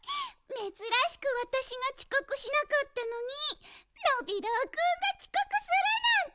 めずらしくわたしがちこくしなかったのにノビローくんがちこくするなんて。